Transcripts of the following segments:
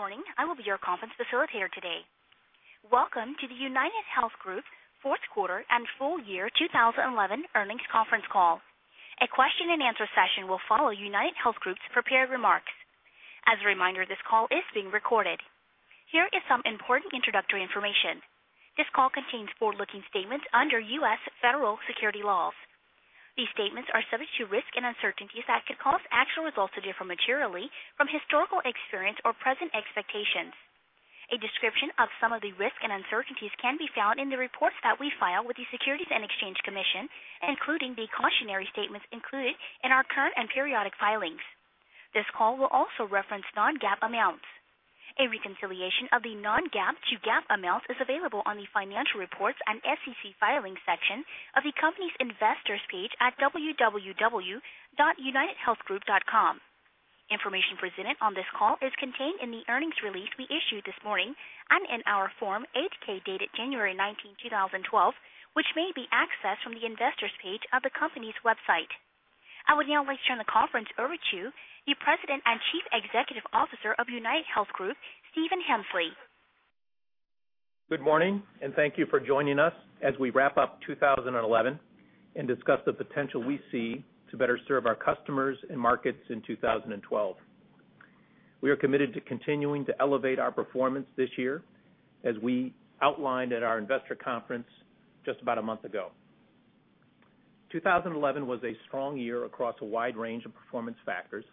Good morning. I will be your conference facilitator today. Welcome to the UnitedHealth Group's Fourth Quarter and Full Year 2011 Earnings Conference Call. A question and answer session will follow UnitedHealth Group's prepared remarks. As a reminder, this call is being recorded. Here is some important introductory information. This call contains forward-looking statements under U.S. federal security laws. These statements are subject to risk and uncertainties that could cause actual results to differ materially from historical experience or present expectations. A description of some of the risk and uncertainties can be found in the reports that we file with the Securities and Exchange Commission, including the cautionary statements included in our current and periodic filings. This call will also reference non-GAAP amounts. A reconciliation of the non-GAAP to GAAP amounts is available on the financial reports and SEC filings section of the company's investors page at www.unitedhealthgroup.com. Information presented on this call is contained in the earnings release we issued this morning and in our Form 8-K dated January 19, 2012, which may be accessed from the investors page of the company's website. I would now like to turn the conference over to the President and Chief Executive Officer of UnitedHealth Group, Stephen Hemsley. Good morning, and thank you for joining us as we wrap up 2011 and discuss the potential we see to better serve our customers and markets in 2012. We are committed to continuing to elevate our performance this year, as we outlined at our Investor Conference just about a month ago. 2011 was a strong year across a wide range of performance factors.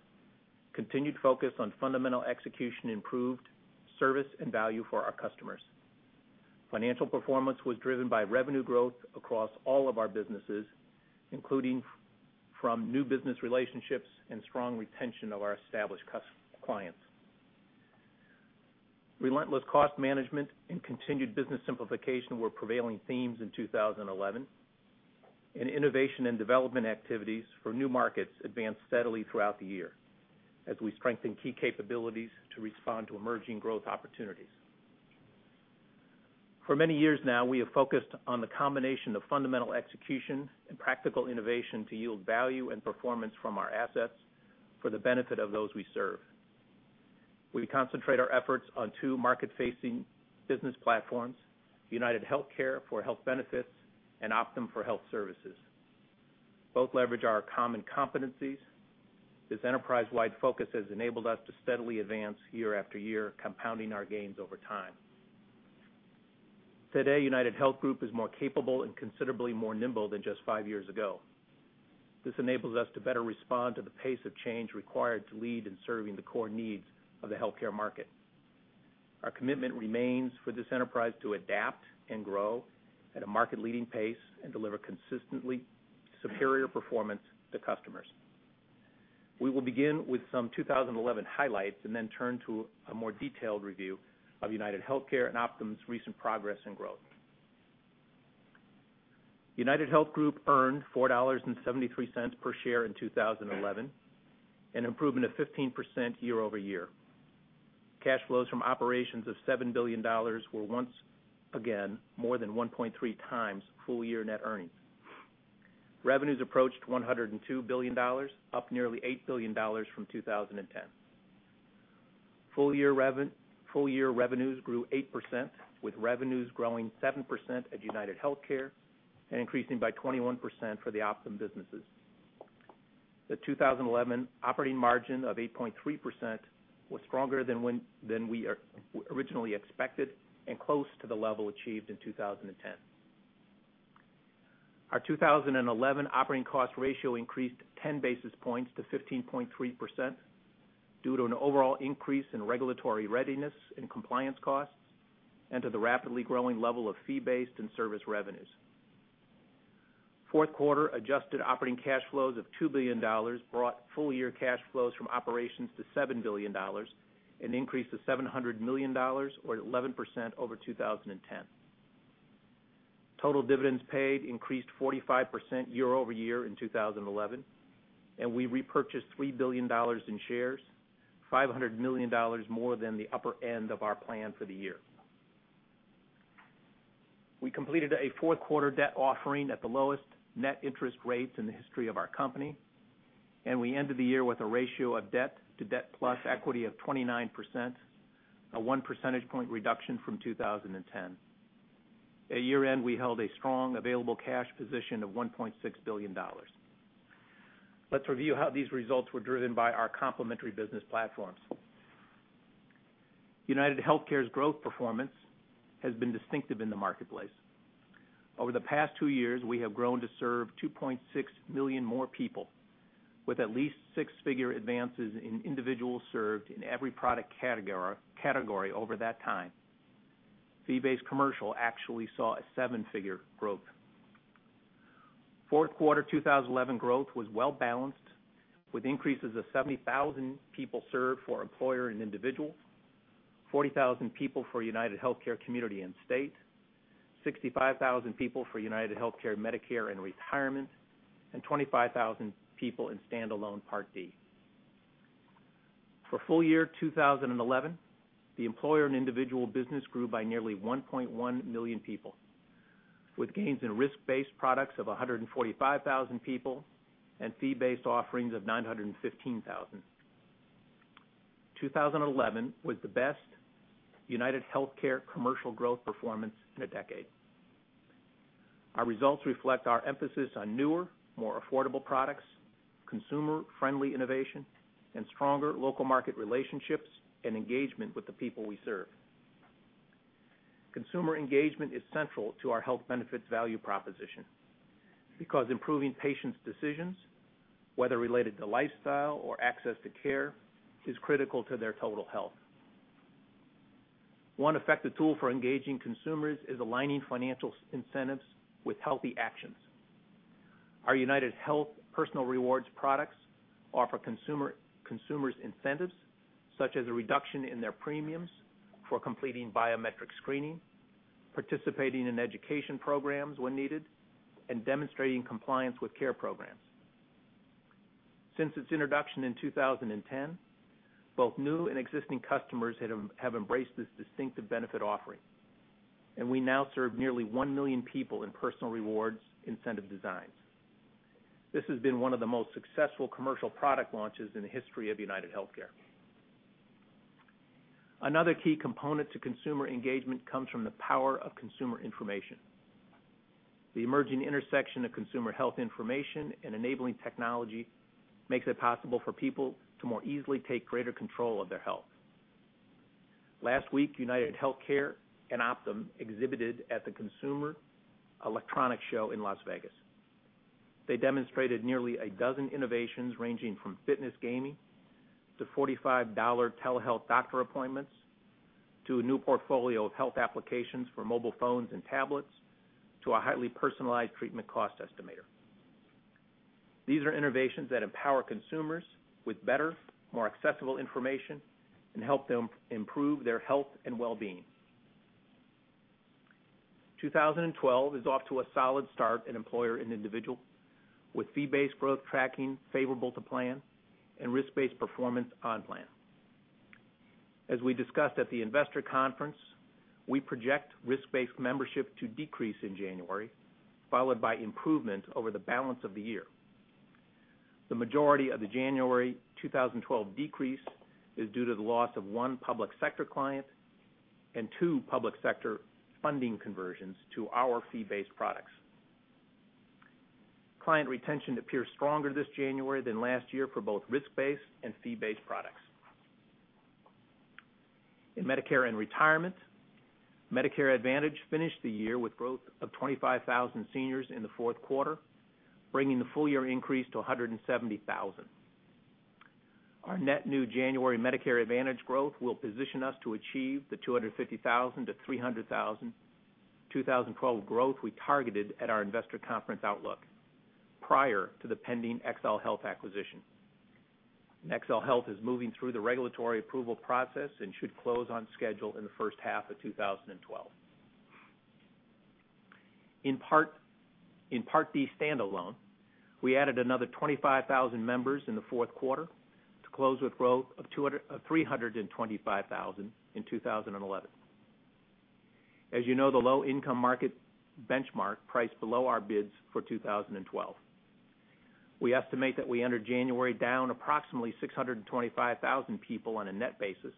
Continued focus on fundamental execution improved service and value for our customers. Financial performance was driven by revenue growth across all of our businesses, including from new business relationships and strong retention of our established clients. Relentless cost management and continued business simplification were prevailing themes in 2011, and innovation and development activities for new markets advanced steadily throughout the year as we strengthen key capabilities to respond to emerging growth opportunities. For many years now, we have focused on the combination of fundamental execution and practical innovation to yield value and performance from our assets for the benefit of those we serve. We concentrate our efforts on two market-facing business platforms: UnitedHealthcare for health benefits and Optum for health services. Both leverage our common competencies. This enterprise-wide focus has enabled us to steadily advance year after year, compounding our gains over time. Today, UnitedHealth Group is more capable and considerably more nimble than just five years ago. This enables us to better respond to the pace of change required to lead in serving the core needs of the healthcare market. Our commitment remains for this enterprise to adapt and grow at a market-leading pace and deliver consistently superior performance to customers. We will begin with some 2011 highlights and then turn to a more detailed review of UnitedHealthcare and Optum's recent progress and growth. UnitedHealth Group earned $4.73 per share in 2011, an improvement of 15% year-over-year. Cash flows from operations of $7 billion were once again more than 1.3x full-year net earnings. Revenues approached $102 billion, up nearly $8 billion from 2010. Full-year revenues grew 8%, with revenues growing 7% at UnitedHealthcare and increasing by 21% for the Optum businesses. The 2011 operating margin of 8.3% was stronger than we originally expected and close to the level achieved in 2010. Our 2011 operating cost ratio increased 10 basis points to 15.3% due to an overall increase in regulatory readiness and compliance costs and to the rapidly growing level of fee-based and service revenues. Fourth quarter adjusted operating cash flows of $2 billion brought full-year cash flows from operations to $7 billion and increased to $700 million, or 11% over 2010. Total dividends paid increased 45% year-over-year in 2011, and we repurchased $3 billion in shares, $500 million more than the upper end of our plan for the year. We completed a fourth quarter debt offering at the lowest net interest rates in the history of our company, and we ended the year with a ratio of debt to debt plus equity of 29%, a 1 percentage point reduction from 2010. At year end, we held a strong available cash position of $1.6 billion. Let's review how these results were driven by our complementary business platforms. UnitedHealthcare's growth performance has been distinctive in the marketplace. Over the past two years, we have grown to serve 2.6 million more people, with at least six-figure advances in individuals served in every product category over that time. Fee-based commercial actually saw a seven-figure growth. Fourth quarter 2011 growth was well-balanced, with increases of 70,000 people served for employer and individual, 40,000 people for UnitedHealthcare Community & State, 65,000 people for UnitedHealthcare Medicare & Retirement, and 25,000 people in standalone Part D. For full year 2011, the employer and individual business grew by nearly 1.1 million people, with gains in risk-based products of 145,000 people and fee-based offerings of 915,000. 2011 was the best UnitedHealthcare Commercial growth performance in a decade. Our results reflect our emphasis on newer, more affordable products, consumer-friendly innovation, and stronger local market relationships and engagement with the people we serve. Consumer engagement is central to our health benefits value proposition because improving patients' decisions, whether related to lifestyle or access to care, is critical to their total health. One effective tool for engaging consumers is aligning financial incentives with healthy actions. Our UnitedHealth Personal Reward products offers consumers incentives, such as a reduction in their premiums for completing biometric screening, participating in education programs when needed, and demonstrating compliance with care programs. Since its introduction in 2010, both new and existing customers have embraced this distinctive benefit offering, and we now serve nearly 1 million people in Personal Rewards incentive designs. This has been one of the most successful commercial product launches in the history of UnitedHealthcare. Another key component to consumer engagement comes from the power of consumer information. The emerging intersection of consumer health information and enabling technology makes it possible for people to more easily take greater control of their health. Last week, UnitedHealthcare and Optum exhibited at the Consumer Electronics Show in Las Vegas. They demonstrated nearly a dozen innovations ranging from fitness gaming to $45 telehealth doctor appointments, to a new portfolio of health applications for mobile phones and tablets, to a highly personalized treatment cost estimator. These are innovations that empower consumers with better, more accessible information and help them improve their health and well-being. 2012 is off to a solid start in employer and individual, with fee-based growth tracking favorable to plan and risk-based performance on plan. As we discussed at the Investor Conference, we project risk-based membership to decrease in January, followed by improvement over the balance of the year. The majority of the January 2012 decrease is due to the loss of one public sector client and two public sector funding conversions to our fee-based products. Client retention appears stronger this January than last year for both risk-based and fee-based products. In Medicare and Retirement, Medicare Advantage finished the year with growth of 25,000 seniors in the fourth quarter, bringing the full-year increase to 170,000. Our net new January Medicare Advantage growth will position us to achieve the 250,000-300,000 2012 growth we targeted at our Investor Conference outlook prior to the pending Excel Health acquisition. Excel Health is moving through the regulatory approval process and should close on schedule in the first half of 2012. In Part D standalone, we added another 25,000 members in the fourth quarter to close with growth of 325,000 in 2011. As you know, the low-income market benchmark priced below our bids for 2012. We estimate that we entered January down approximately 625,000 people on a net basis.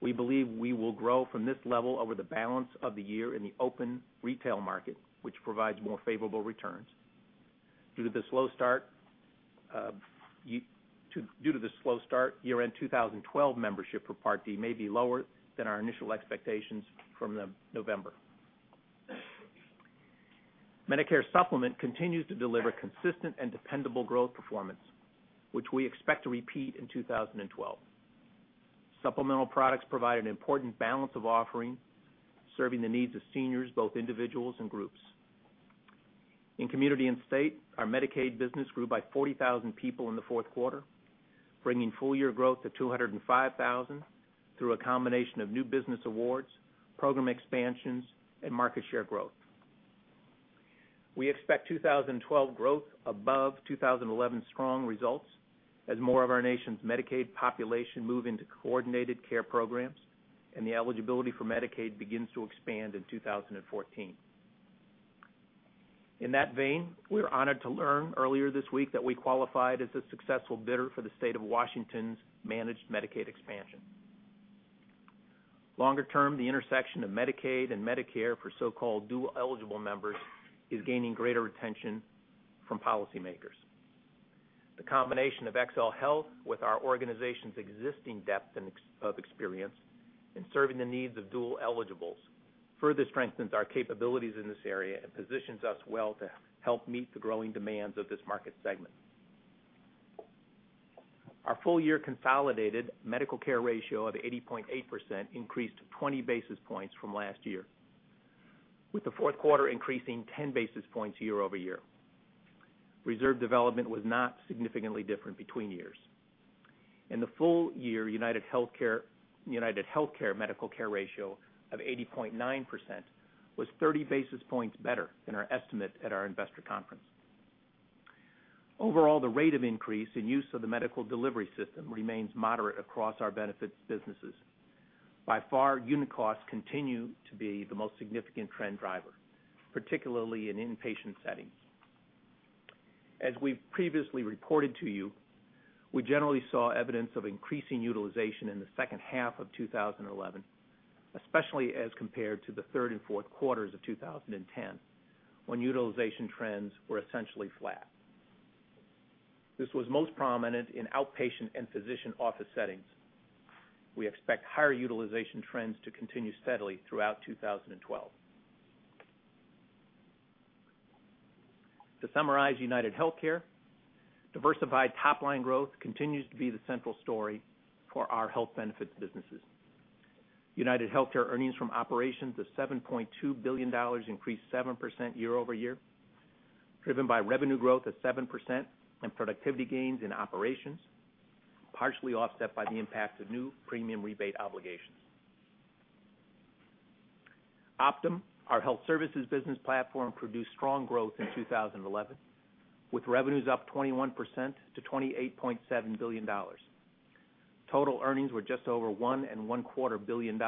We believe we will grow from this level over the balance of the year in the open retail market, which provides more favorable returns. Due to the slow start, year-end 2012 membership for Part D may be lower than our initial expectations from November. Medicare supplement continues to deliver consistent and dependable growth performance, which we expect to repeat in 2012. Supplemental products provide an important balance of offering, serving the needs of seniors, both individuals and groups. In Community & State, our Medicaid business grew by 40,000 people in the fourth quarter, bringing full-year growth to 205,000 through a combination of new business awards, program expansions, and market share growth. We expect 2012 growth above 2011's strong results as more of our nation's Medicaid population move into coordinated care programs and the eligibility for Medicaid begins to expand in 2014. In that vein, we're honored to learn earlier this week that we qualified as a successful bidder for the state of Washington's managed Medicaid expansion. Longer term, the intersection of Medicaid and Medicare for so-called dual-eligible members is gaining greater attention from policymakers. The combination of Excel Health with our organization's existing depth of experience in serving the needs of dual eligibles further strengthens our capabilities in this area and positions us well to help meet the growing demands of this market segment. Our full-year consolidated medical care ratio of 80.8% increased 20 basis points from last year, with the fourth quarter increasing 10 basis points year-over-year. Reserve development was not significantly different between years. In the full year, UnitedHealthcare medical care ratio of 80.9% was 30 basis points better than our estimate at our Investor Conference. Overall, the rate of increase in use of the medical delivery system remains moderate across our benefits businesses. By far, unit costs continue to be the most significant trend driver, particularly in inpatient settings. As we previously reported to you, we generally saw evidence of increasing utilization in the second half of 2011, especially as compared to the third and fourth quarters of 2010, when utilization trends were essentially flat. This was most prominent in outpatient and physician office settings. We expect higher utilization trends to continue steadily throughout 2012. To summarize, UnitedHealthcare's diversified top-line growth continues to be the central story for our health benefits businesses. UnitedHealthcare earnings from operations of $7.2 billion increased 7% year-over-year, driven by revenue growth of 7% and productivity gains in operations, partially offset by the impact of new premium rebate obligations. Optum, our health services business platform, produced strong growth in 2011, with revenues up 21% to $28.7 billion. Total earnings were just over $1.25 billion.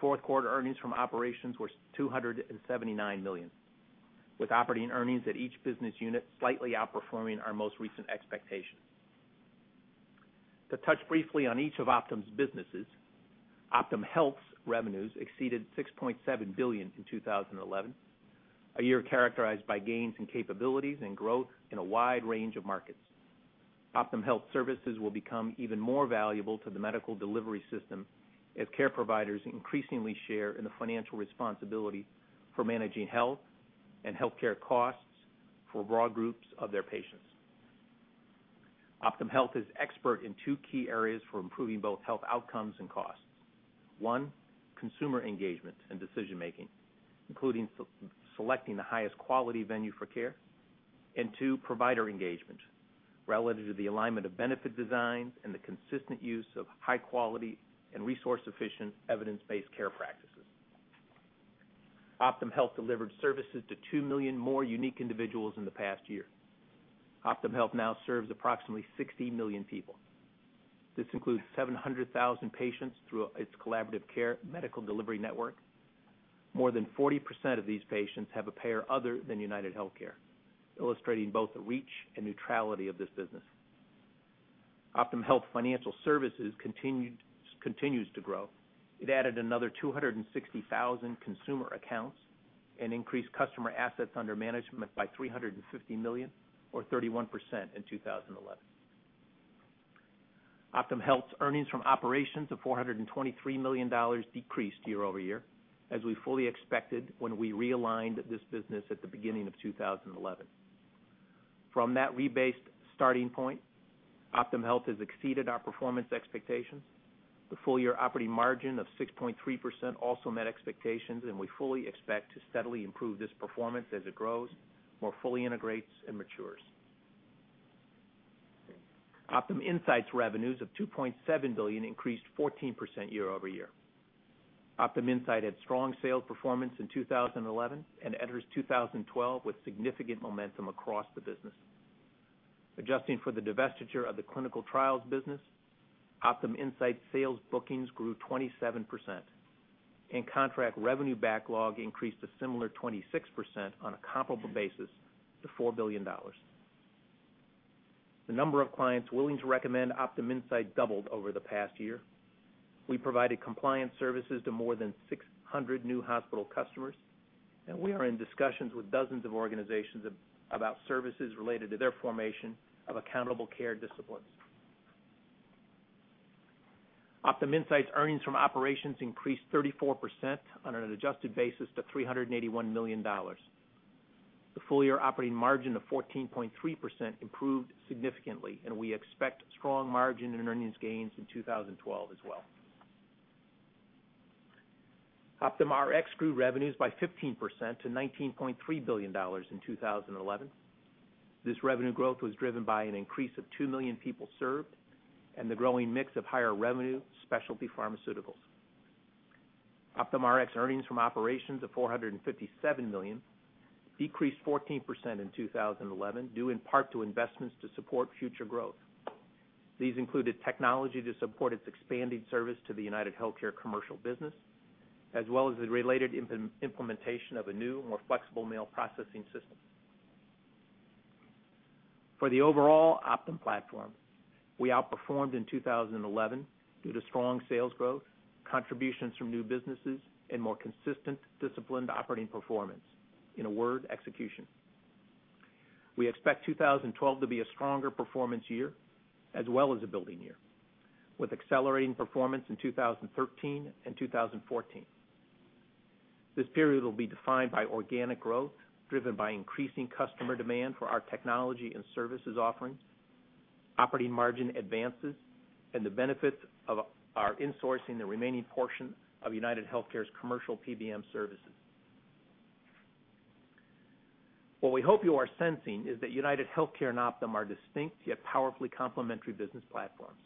Fourth quarter earnings from operations were $279 million, with operating earnings at each business unit slightly outperforming our most recent expectation. To touch briefly on each of Optum's businesses, Optum Health's revenues exceeded $6.7 billion in 2011, a year characterized by gains in capabilities and growth in a wide range of markets. Optum Health services will become even more valuable to the medical delivery system as care providers increasingly share in the financial responsibility for managing health and healthcare costs for broad groups of their patients. Optum Health is expert in two key areas for improving both health outcomes and costs: one, consumer engagement and decision-making, including selecting the highest quality venue for care; and two, provider engagement related to the alignment of benefit designs and the consistent use of high-quality and resource-efficient evidence-based care practices. Optum Health delivered services to 2 million more unique individuals in the past year. Optum Health now serves approximately 60 million people. This includes 700,000 patients through its collaborative care medical delivery network. More than 40% of these patients have a payer other than UnitedHealthcare, illustrating both the reach and neutrality of this business. Optum Health financial services continues to grow. It added another 260,000 consumer accounts and increased customer assets under management by $350 million, or 31% in 2011. Optum Health's earnings from operations of $423 million decreased year-over-year, as we fully expected when we realigned this business at the beginning of 2011. From that re-based starting point, Optum Health has exceeded our performance expectations. The full-year operating margin of 6.3% also met expectations, and we fully expect to steadily improve this performance as it grows, more fully integrates, and matures. Optum Insight revenues of $2.7 billion increased 14% year-over-year. Optum Insight had strong sales performance in 2011 and enters 2012 with significant momentum across the business. Adjusting for the divestiture of the clinical trials business, Optum Insight's sales bookings grew 27%, and contract revenue backlog increased a similar 26% on a comparable basis to $4 billion. The number of clients willing to recommend Optum Insight doubled over the past year. We provided compliance services to more than 600 new hospital customers, and we are in discussions with dozens of organizations about services related to their formation of accountable care disciplines. Optum Insight's earnings from operations increased 34% on an adjusted basis to $381 million. The full-year operating margin of 14.3% improved significantly, and we expect strong margin and earnings gains in 2012 as well. Optum Rx grew revenues by 15% to $19.3 billion in 2011. This revenue growth was driven by an increase of 2 million people served and the growing mix of higher revenue specialty pharmaceuticals. Optum Rx earnings from operations of $457 million decreased 14% in 2011, due in part to investments to support future growth. These included technology to support its expanded service to the UnitedHealthcare Commercial business, as well as the related implementation of a new, more flexible mail processing system. For the overall Optum platform, we outperformed in 2011 due to strong sales growth, contributions from new businesses, and more consistent, disciplined operating performance in a word execution. We expect 2012 to be a stronger performance year, as well as a building year, with accelerating performance in 2013 and 2014. This period will be defined by organic growth driven by increasing customer demand for our technology and services offerings, operating margin advances, and the benefits of our insourcing the remaining portion of UnitedHealthcare's Commercial PBM services. What we hope you are sensing is that UnitedHealthcare and Optum are distinct yet powerfully complementary business platforms.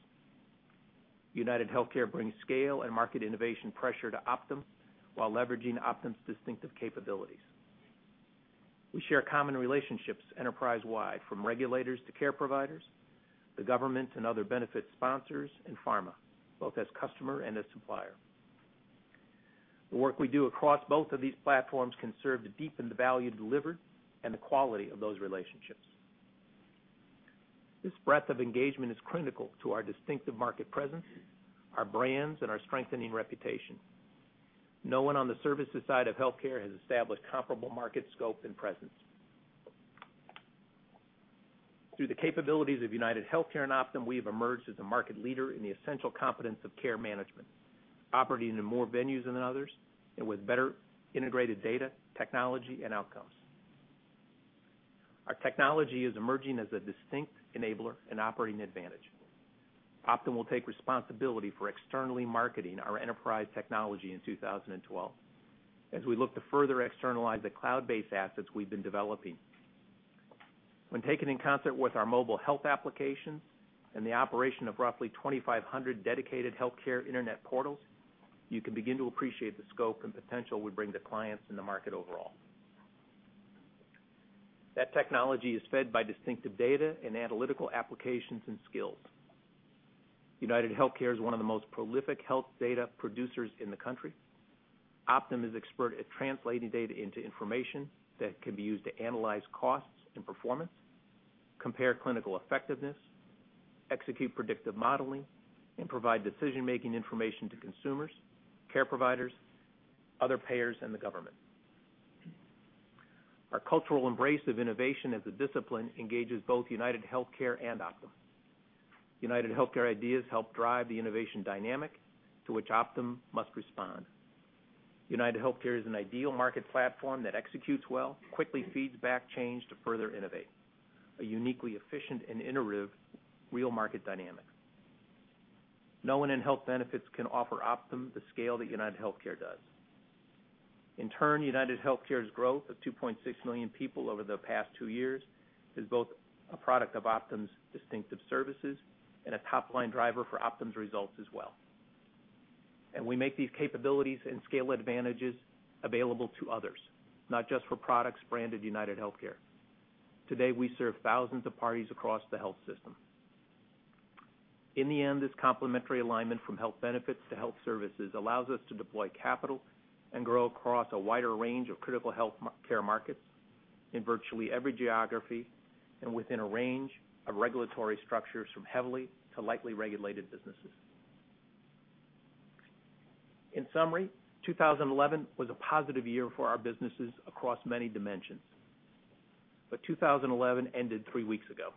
UnitedHealthcare brings scale and market innovation pressure to Optum while leveraging Optum's distinctive capabilities. We share common relationships enterprise-wide, from regulators to care providers, the government, and other benefits sponsors and pharma, both as customer and as supplier. The work we do across both of these platforms can serve to deepen the value delivered and the quality of those relationships. This breadth of engagement is critical to our distinctive market presence, our brands, and our strengthening reputation. No one on the services side of healthcare has established comparable market scope and presence. Through the capabilities of UnitedHealthcare and Optum, we have emerged as a market leader in the essential competence of care management, operating in more venues than others and with better integrated data, technology, and outcomes. Our technology is emerging as a distinct enabler and operating advantage. Optum will take responsibility for externally marketing our enterprise technology in 2012 as we look to further externalize the cloud-based assets we've been developing. When taken in concert with our mobile health applications and the operation of roughly 2,500 dedicated healthcare internet portals, you can begin to appreciate the scope and potential we bring to clients in the market overall. That technology is fed by distinctive data and analytical applications and skills. UnitedHealthcare is one of the most prolific health data producers in the country. Optum is expert at translating data into information that can be used to analyze costs and performance, compare clinical effectiveness, execute predictive modeling, and provide decision-making information to consumers, care providers, other payers, and the government. Our cultural embrace of innovation as a discipline engages both UnitedHealthcare and Optum. UnitedHealthcare ideas help drive the innovation dynamic to which Optum must respond. UnitedHealthcare is an ideal market platform that executes well, quickly feeds back change to further innovate a uniquely efficient and iterative real market dynamic. No one in health benefits can offer Optum the scale that UnitedHealthcare does. In turn, UnitedHealthcare's growth of 2.6 million people over the past two years is both a product of Optum's distinctive services and a top-line driver for Optum's results as well. We make these capabilities and scale advantages available to others, not just for products branded UnitedHealthcare. Today, we serve thousands of parties across the health system. In the end, this complementary alignment from health benefits to health services allows us to deploy capital and grow across a wider range of critical healthcare markets in virtually every geography and within a range of regulatory structures from heavily to lightly regulated businesses. In summary, 2011 was a positive year for our businesses across many dimensions, but 2011 ended three weeks ago.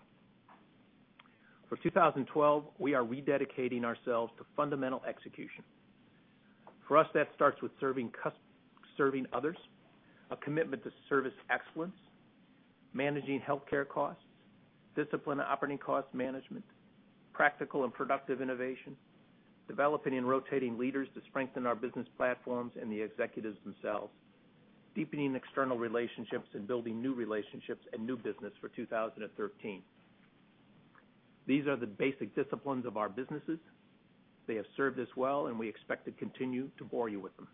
For 2012, we are rededicating ourselves to fundamental execution. For us, that starts with serving others, a commitment to service excellence, managing healthcare costs, disciplined operating cost management, practical and productive innovation, developing and rotating leaders to strengthen our business platforms and the executives themselves, deepening external relationships, and building new relationships and new business for 2013. These are the basic disciplines of our businesses. They have served us well, and we expect to continue to bore you with them.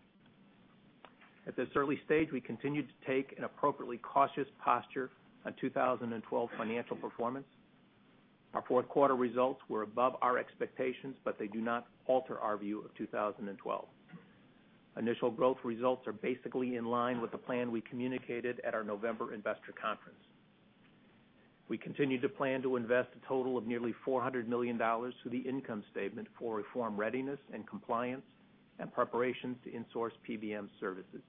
At this early stage, we continue to take an appropriately cautious posture on 2012 financial performance. Our fourth quarter results were above our expectations, but they do not alter our view of 2012. Initial growth results are basically in line with the plan we communicated at our November Investor Conference. We continue to plan to invest a total of nearly $400 million through the income statement for reform readiness and compliance and preparations to insource PBM services.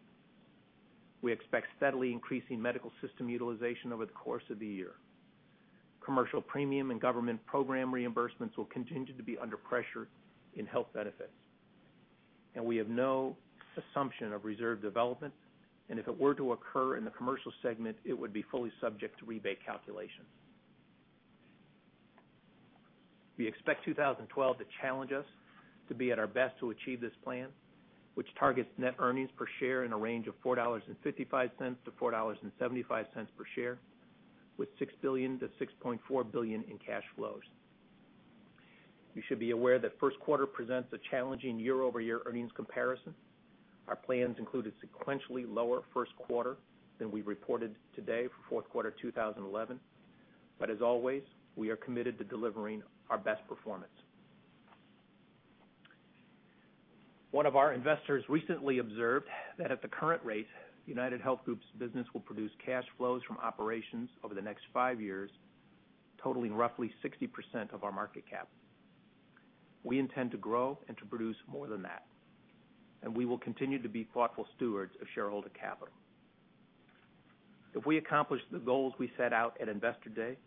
We expect steadily increasing medical system utilization over the course of the year. Commercial premium and government program reimbursements will continue to be under pressure in health benefits, and we have no assumption of reserve development. If it were to occur in the commercial segment, it would be fully subject to rebate calculations. We expect 2012 to challenge us to be at our best to achieve this plan, which targets net earnings per share in a range of $4.55-$4.75 per share, with $6 billion-$6.4 billion in cash flows. You should be aware that the first quarter presents a challenging year-over-year earnings comparison. Our plans included sequentially lower first quarter than we reported today for fourth quarter 2011, but as always, we are committed to delivering our best performance. One of our investors recently observed that at the current rate, UnitedHealth Group's business will produce cash flows from operations over the next five years, totaling roughly 60% of our market cap. We intend to grow and to produce more than that, and we will continue to be thoughtful stewards of shareholder capital. If we accomplish the goals we set out at Investor Day,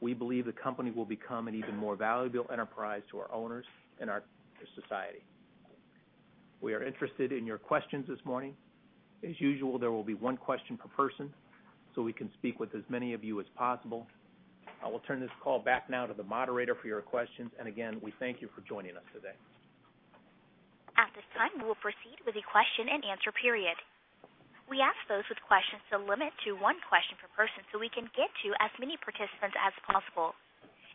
we believe the company will become an even more valuable enterprise to our owners and our society. We are interested in your questions this morning. As usual, there will be one question per person so we can speak with as many of you as possible. I will turn this call back now to the moderator for your questions. We thank you for joining us today. At this time, we will proceed with the question and answer period. We ask those with questions to limit to one question per person so we can get to as many participants as possible.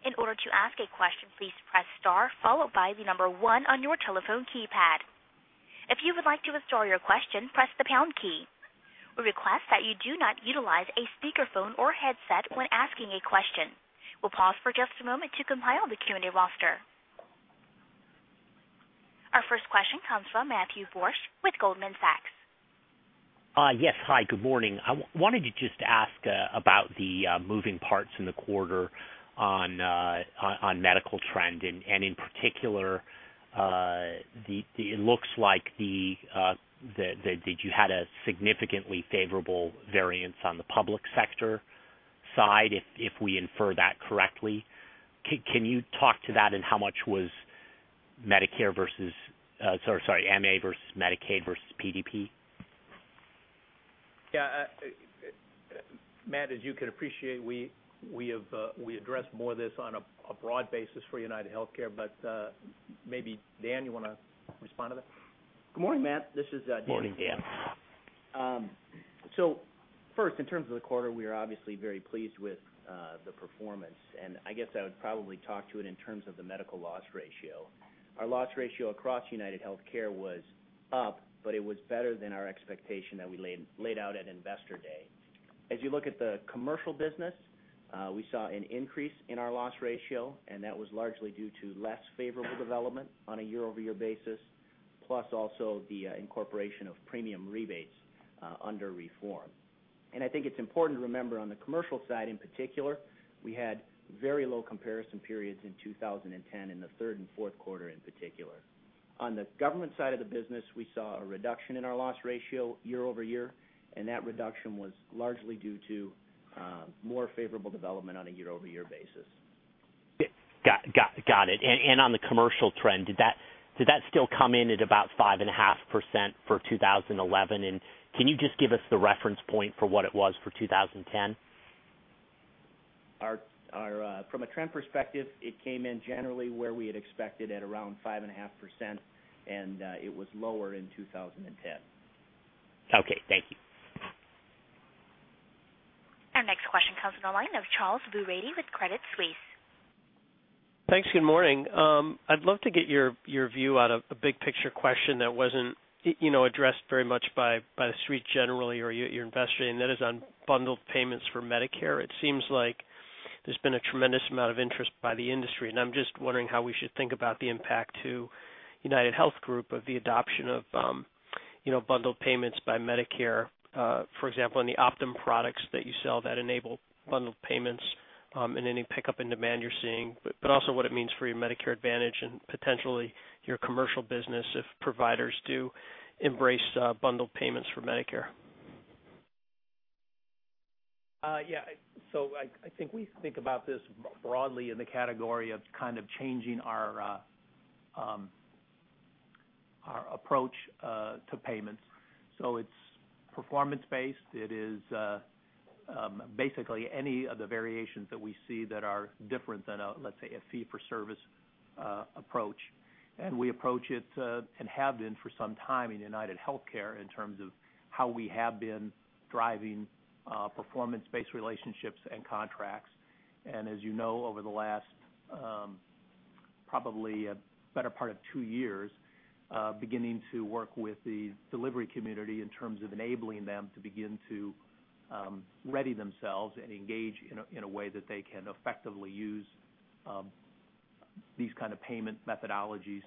In order to ask a question, please press star followed by the number one on your telephone keypad. If you would like to withdraw your question, press the pound key. We request that you do not utilize a speakerphone or headset when asking a question. We'll pause for just a moment to compile the Q&A roster. Our first question comes from Matthew Borsch with Goldman Sachs. Yes. Hi. Good morning. I wanted to just ask about the moving parts in the quarter on medical trend, and in particular, it looks like you had a significantly favorable variance on the public sector side if we infer that correctly. Can you talk to that and how much was MA versus Medicaid versus PDP? Yeah. Matt, as you can appreciate, we addressed more of this on a broad basis for UnitedHealthcare, but maybe Dan, you want to respond to that? Good morning, Matt. This is Dan. Morning, Dan. First, in terms of the quarter, we are obviously very pleased with the performance, and I guess I would probably talk to it in terms of the medical loss ratio. Our loss ratio across UnitedHealthcare was up, but it was better than our expectation that we laid out at Investor Day. As you look at the commercial business, we saw an increase in our loss ratio, and that was largely due to less favorable development on a year-over-year basis, plus also the incorporation of premium rebates under reform. I think it's important to remember on the commercial side in particular, we had very low comparison periods in 2010 in the third and fourth quarter in particular. On the government side of the business, we saw a reduction in our loss ratio year-over-year, and that reduction was largely due to more favorable development on a year-over-year basis. Got it. On the commercial trend, did that still come in at about 5.5% for 2011, and can you just give us the reference point for what it was for 2010? From a trend perspective, it came in generally where we had expected at around 5.5%, and it was lower in 2010. Okay, thank you. Our next question comes on the line of Charles Boorady with Credit Suisse. Thanks. Good morning. I'd love to get your view on a big-picture question that wasn't addressed very much by the suite generally or your investors, and that is on bundled payments for Medicare. It seems like there's been a tremendous amount of interest by the industry, and I'm just wondering how we should think about the impact to UnitedHealth Group of the adoption of bundled payments by Medicare. For example, in the Optum products that you sell that enable bundled payments and any pickup in demand you're seeing, but also what it means for your Medicare Advantage and potentially your commercial business if providers do embrace bundled payments for Medicare. I think we think about this broadly in the category of kind of changing our approach to payments. It's performance-based. It is basically any of the variations that we see that are different than a, let's say, a fee-for-service approach. We approach it and have been for some time in UnitedHealthcare in terms of how we have been driving performance-based relationships and contracts. As you know, over the last probably a better part of two years, beginning to work with the delivery community in terms of enabling them to begin to ready themselves and engage in a way that they can effectively use these kind of payment methodologies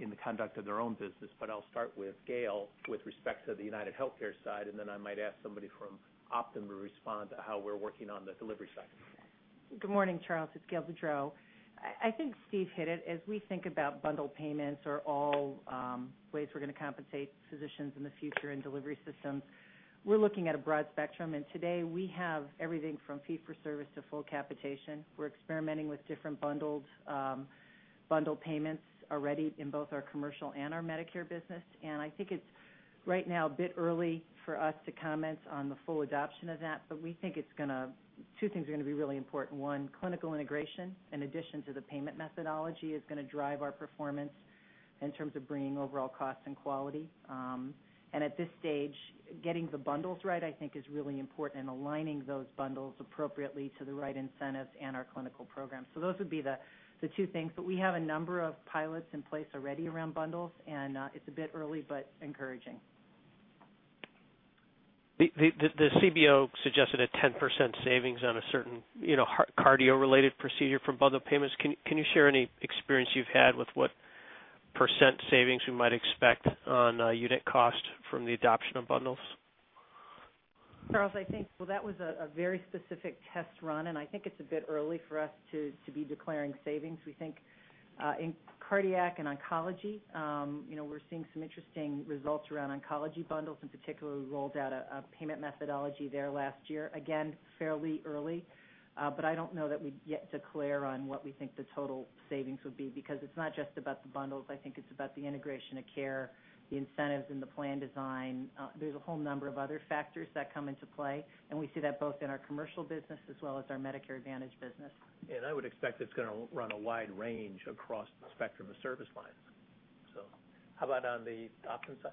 in the conduct of their own business. I'll start with Gail with respect to the UnitedHealthcare side, and then I might ask somebody from Optum to respond to how we're working on the delivery side. Good morning, Charles. It's Gail Boudreaux. I think Steve hit it. As we think about bundled payments or all ways we're going to compensate physicians in the future and delivery systems, we're looking at a broad spectrum. Today, we have everything from fee-for-service to full capitation. We're experimenting with different bundled payments already in both our commercial and our Medicare business. I think it's right now a bit early for us to comment on the full adoption of that, but we think two things are going to be really important. One, clinical integration, in addition to the payment methodology, is going to drive our performance in terms of bringing overall costs and quality. At this stage, getting the bundles right is really important and aligning those bundles appropriately to the right incentives and our clinical programs. Those would be the two things, but we have a number of pilots in place already around bundles, and it's a bit early but encouraging. The CBO suggested a 10% savings on a certain cardio-related procedure from bundled payment models. Can you share any experience you've had with what percent savings we might expect on unit cost from the adoption of bundles? Charles, I think that was a very specific test run, and I think it's a bit early for us to be declaring savings. We think in cardiac and oncology, we're seeing some interesting results around oncology bundles. In particular, we rolled out a payment methodology there last year, again, fairly early, but I don't know that we yet declare on what we think the total savings would be because it's not just about the bundles. I think it's about the integration of care, the incentives, and the plan design. There are a whole number of other factors that come into play, and we see that both in our commercial business as well as our Medicare Advantage business. I would expect it's going to run a wide range across the spectrum of service lines. How about on the Optum side?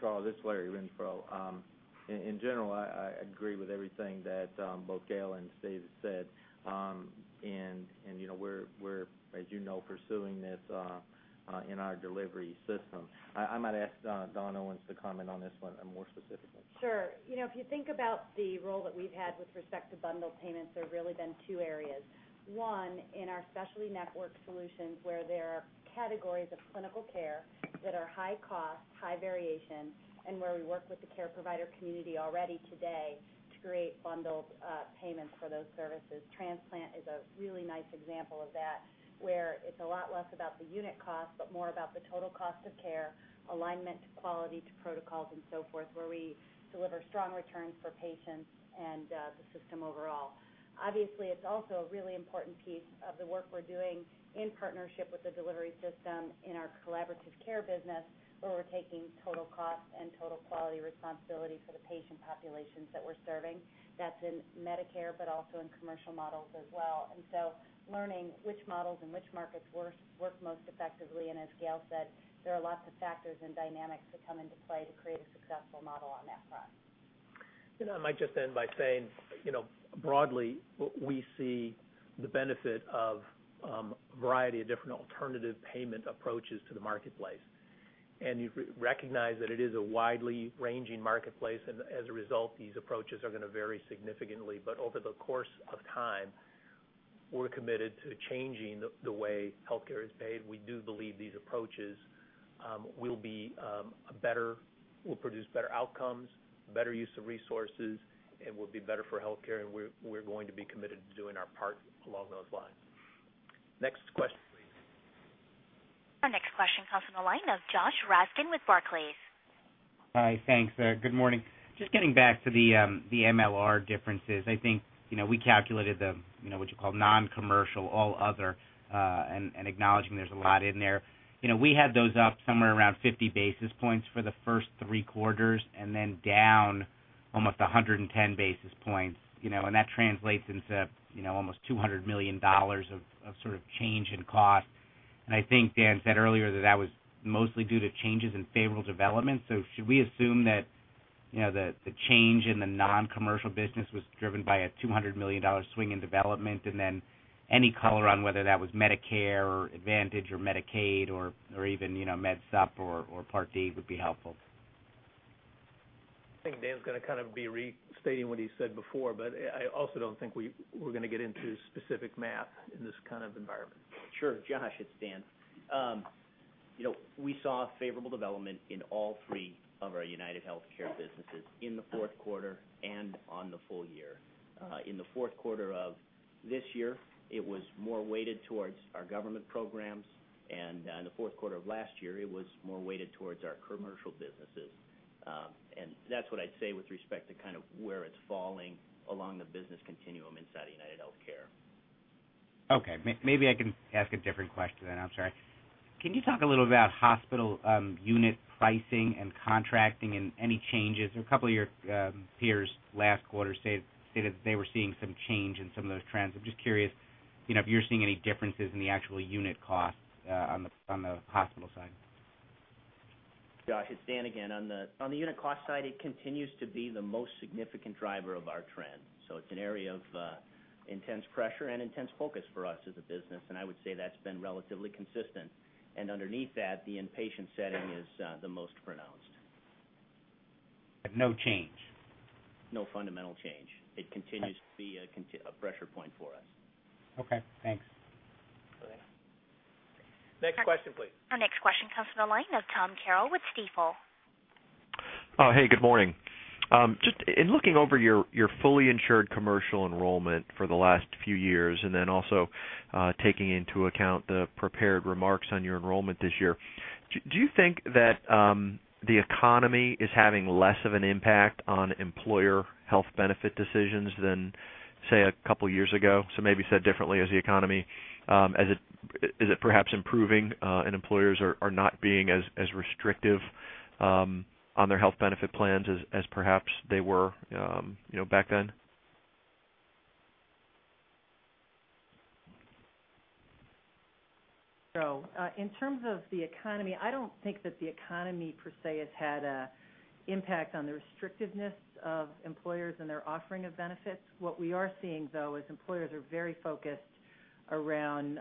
Charles, it's Larry Renfro. In general, I agree with everything that both Gail and Steve have said. We're, as you know, pursuing this in our delivery system. I might ask Dawn Owens to comment on this one more specifically. Sure. If you think about the role that we've had with respect to bundled payment models, there have really been two areas. One, in our specialty network solutions where there are categories of clinical care that are high cost, high variation, and where we work with the care provider community already today to create bundled payment models for those services. Transplant is a really nice example of that, where it's a lot less about the unit cost but more about the total cost of care, alignment to quality to protocols, and so forth, where we deliver strong returns for patients and the system overall. Obviously, it's also a really important piece of the work we're doing in partnership with the delivery system in our collaborative care business where we're taking total cost and total quality responsibility for the patient populations that we're serving. That's in Medicare but also in commercial models as well. Learning which models and which markets work most effectively, and as Gail said, there are lots of factors and dynamics that come into play to create a successful model on that front. I might just end by saying, you know, broadly, we see the benefit of a variety of different alternative payment approaches to the marketplace. You recognize that it is a widely ranging marketplace, and as a result, these approaches are going to vary significantly. Over the course of time, we're committed to changing the way healthcare is paid. We do believe these approaches will produce better outcomes, better use of resources, and will be better for healthcare, and we're going to be committed to doing our part along those lines. Next question, please. Our next question comes on the line of Josh Raskin with Barclays. Hi. Thanks, there. Good morning. Just getting back to the MLR differences, I think we calculated what you call non-commercial, all other, and acknowledging there's a lot in there. We had those up somewhere around 50 basis points for the first three quarters and then down almost 110 basis points, and that translates into almost $200 million of sort of change in cost. I think Dan said earlier that that was mostly due to changes in favorable development. Should we assume that the change in the non-commercial business was driven by a $200 million swing in development, and any color on whether that was Medicare Advantage or Medicaid or even MedSup or Part D would be helpful? I think Dan's going to kind of be restating what he said before, but I also don't think we're going to get into specific math in this kind of environment. Sure. Josh, it's Dan. We saw favorable development in all three of our UnitedHealthcare businesses in the fourth quarter and on the full year. In the fourth quarter of this year, it was more weighted towards our government programs, and in the fourth quarter of last year, it was more weighted towards our commercial businesses. That's what I'd say with respect to kind of where it's falling along the business continuum inside of UnitedHealthcare. Okay. Maybe I can ask a different question then. I'm sorry. Can you talk a little bit about hospital unit pricing and contracting and any changes? A couple of your peers last quarter stated that they were seeing some change in some of those trends. I'm just curious if you're seeing any differences in the actual unit cost on the hospital side. Josh, it's Dan again. On the unit cost side, it continues to be the most significant driver of our trend. It is an area of intense pressure and intense focus for us as a business, and I would say that's been relatively consistent. Underneath that, the inpatient setting is the most pronounced. No change. No fundamental change. It continues to be a pressure point for us. Okay. Thanks. Go ahead. Next question, please. Our next question comes from the line of Tom Carroll with Stifel. Good morning. Just in looking over your fully insured commercial enrollment for the last few years and then also taking into account the prepared remarks on your enrollment this year, do you think that the economy is having less of an impact on employer health benefit decisions than, say, a couple of years ago? Maybe said differently, as the economy, is it perhaps improving and employers are not being as restrictive on their health benefit plans as perhaps they were back then? In terms of the economy, I don't think that the economy per se has had an impact on the restrictiveness of employers and their offering of benefits. What we are seeing, though, is employers are very focused around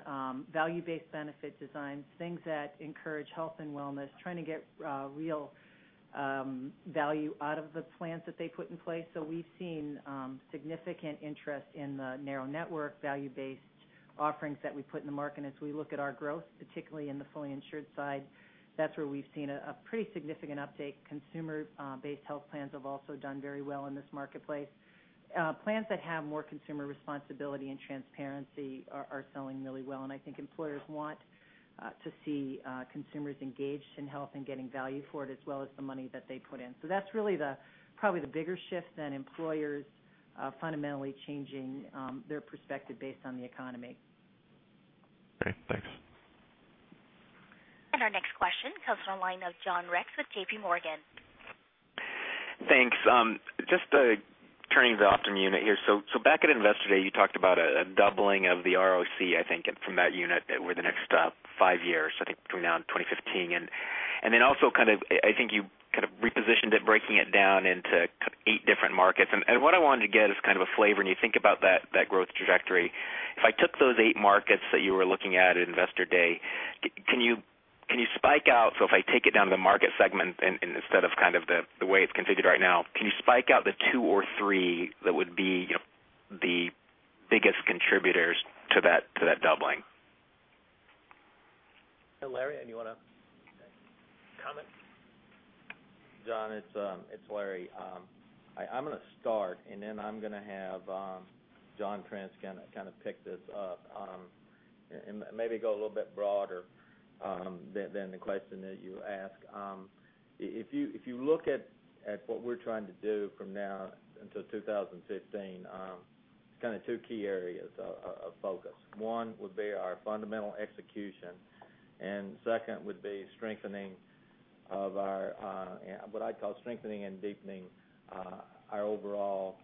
value-based benefit designs, things that encourage health and wellness, trying to get real value out of the plans that they put in place. We've seen significant interest in the narrow network value-based offerings that we put in the market. As we look at our growth, particularly in the fully insured side, that's where we've seen a pretty significant uptake. Consumer-based health plans have also done very well in this marketplace. Plans that have more consumer responsibility and transparency are selling really well, and I think employers want to see consumers engaged in health and getting value for it as well as the money that they put in. That's really probably the bigger shift than employers fundamentally changing their perspective based on the economy. Great. Thanks. Our next question comes from the line of John Rex with JPMorgan. Thanks. Just turning to the Optum unit here. Back at Investor Day, you talked about a doubling of the ROC, I think, from that unit over the next five years, I think between now and 2015. You also kind of repositioned it, breaking it down into eight different markets. What I wanted to get is kind of a flavor, as you think about that growth trajectory. If I took those eight markets that you were looking at at Investor Day, can you spike out, if I take it down to the market segment instead of the way it's configured right now, can you spike out the two or three that would be the biggest contributors to that doubling? Larry, do you want to comment? John, it's Larry. I'm going to start, and then I'm going to have John Prince kind of pick this up and maybe go a little bit broader than the question that you asked. If you look at what we're trying to do from now until 2015, it's kind of two key areas of focus. One would be our fundamental execution, and second would be strengthening of our, what I'd call strengthening and deepening our overall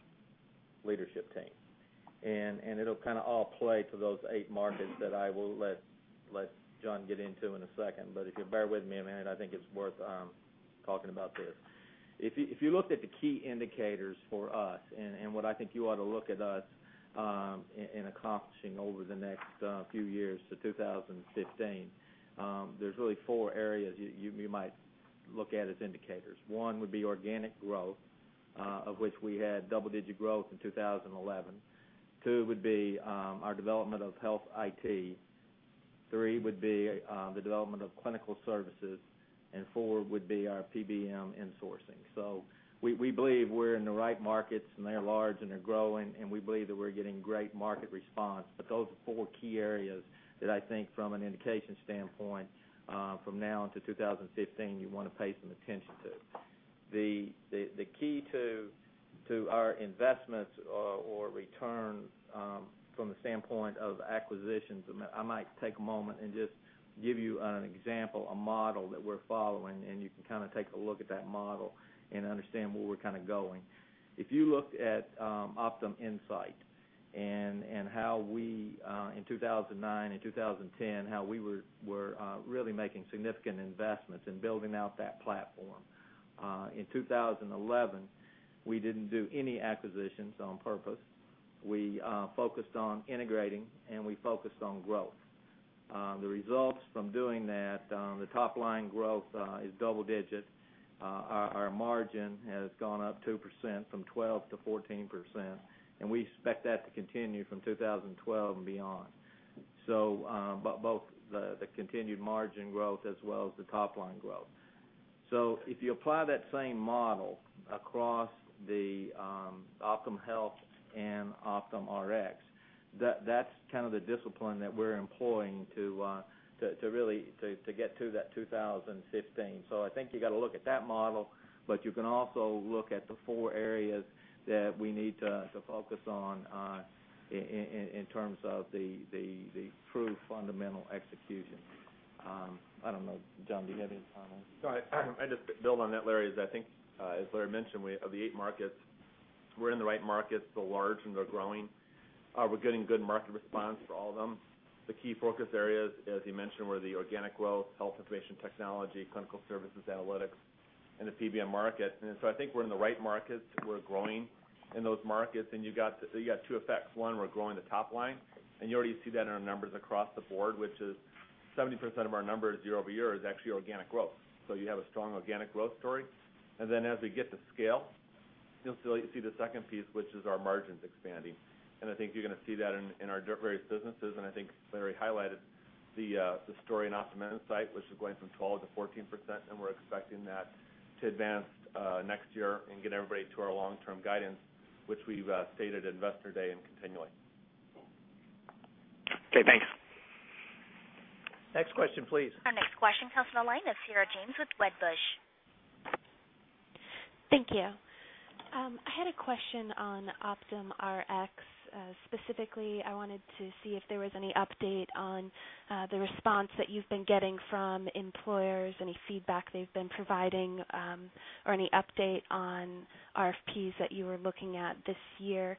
leadership team. It'll kind of all play to those eight markets that I will let John get into in a second. If you bear with me a minute, I think it's worth talking about this. If you looked at the key indicators for us and what I think you ought to look at us in accomplishing over the next few years to 2015, there's really four areas you might look at as indicators. One would be organic growth, of which we had double-digit growth in 2011. Two would be our development of health IT. Three would be the development of clinical services. Four would be our PBM insourcing. We believe we're in the right markets, and they're large, and they're growing, and we believe that we're getting great market response. Those are four key areas that I think from an indication standpoint from now until 2015 you want to pay some attention to. The key to our investments or return from the standpoint of acquisitions, I might take a moment and just give you an example, a model that we're following, and you can kind of take a look at that model and understand where we're kind of going. If you look at Optum Insight and how we in 2009 and 2010, how we were really making significant investments in building out that platform. In 2011, we didn't do any acquisitions on purpose. We focused on integrating, and we focused on growth. The results from doing that, the top-line growth is double-digit. Our margin has gone up 2% from 12% to 14%, and we expect that to continue from 2012 and beyond. Both the continued margin growth as well as the top-line growth. If you apply that same model across the Optum Health and Optum Rx, that's kind of the discipline that we're employing to really get to that 2015. I think you got to look at that model, but you can also look at the four areas that we need to focus on in terms of the true fundamental execution. I don't know, John, do you have any final? Sorry. I just build on that, Larry. I think, as Larry mentioned, of the eight markets, we're in the right markets. They're large and they're growing. We're getting good market response for all of them. The key focus areas, as he mentioned, were the organic growth, health information technology, clinical services, analytics, and the PBM markets. I think we're in the right markets. We're growing in those markets, and you got two effects. One, we're growing the top line, and you already see that in our numbers across the board, which is 70% of our numbers year-over-year is actually organic growth. You have a strong organic growth story. As we get to scale, you'll see the second piece, which is our margins expanding. I think you're going to see that in our various businesses, and I think Larry highlighted the story in Optum Insight, which is going from 12% to 14%, and we're expecting that to advance next year and get everybody to our long-term guidance, which we've stated at Investor Day continually. Okay. Thanks. Next question, please. Our next question comes from the line of Sarah James with Wedbush. Thank you. I had a question on Optum Rx specifically. I wanted to see if there was any update on the response that you've been getting from employers, any feedback they've been providing, or any update on RFPs that you were looking at this year.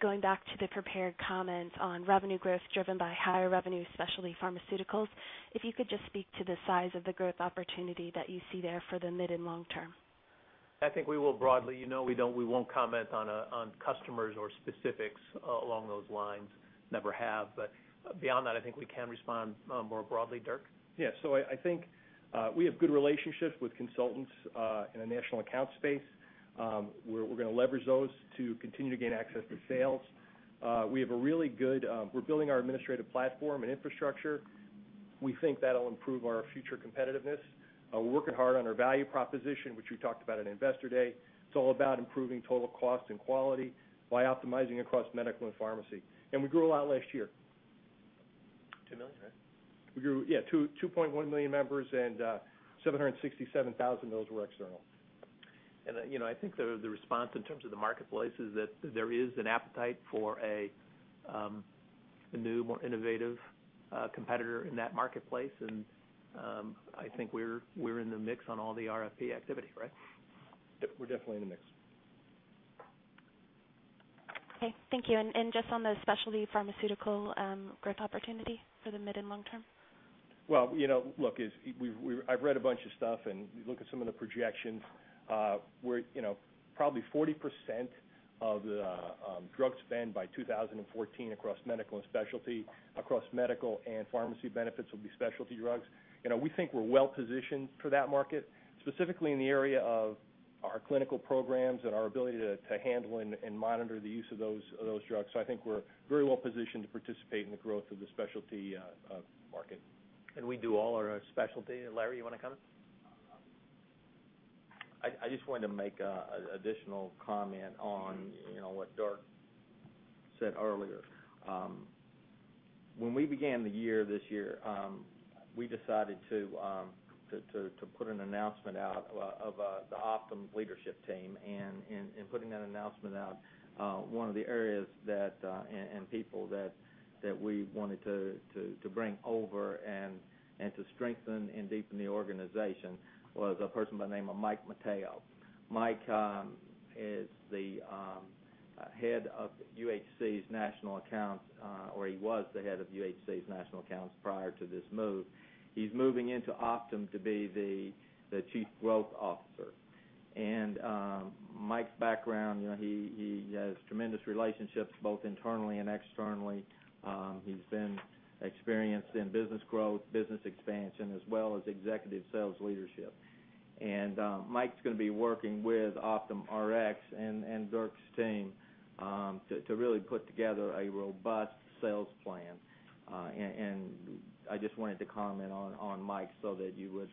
Going back to the prepared comments on revenue growth driven by higher revenue, especially pharmaceuticals, if you could just speak to the size of the growth opportunity that you see there for the mid and long term. I think we will broadly, you know, we won't comment on customers or specifics along those lines, never have. Beyond that, I think we can respond more broadly, Dirk. I think we have good relationships with consultants in a national account space. We're going to leverage those to continue to gain access to sales. We have a really good, we're building our administrative platform and infrastructure. We think that'll improve our future competitiveness. We're working hard on our value proposition, which we talked about at Investor Day. It's all about improving total cost and quality by optimizing across medical and pharmacy. We grew a lot last year. 2 millions, right? Yeah, 2.1 million members and 767,000 of those were external. I think the response in terms of the marketplace is that there is an appetite for a new, more innovative competitor in that marketplace, and I think we're in the mix on all the RFP activity, right? Yep. We're definitely in the mix. Okay. Thank you. Just on the specialty pharmacy growth opportunity for the mid and long term. I have read a bunch of stuff and looked at some of the projections. Probably 40% of the drug spend by 2014 across medical and specialty, across medical and pharmacy benefits will be specialty drugs. We think we're well positioned for that market, specifically in the area of our clinical programs and our ability to handle and monitor the use of those drugs. I think we're very well positioned to participate in the growth of the specialty market. We do all our specialty. Larry, you want to comment? I just wanted to make an additional comment on what Dirk said earlier. When we began the year this year, we decided to put an announcement out of the Optum leadership team. In putting that announcement out, one of the areas and people that we wanted to bring over and to strengthen and deepen the organization was a person by the name of Mike Matteo. Mike is the Head of UHC's National Accounts, or he was the Head of UHC's National Accounts prior to this move. He's moving into Optum to be the Chief Growth Officer. Mike's background, you know, he has tremendous relationships both internally and externally. He's been experienced in business growth, business expansion, as well as executive sales leadership. Mike's going to be working with Optum Rx and Dirk's team to really put together a robust sales plan. I just wanted to comment on Mike so that you would